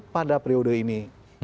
pada periode ini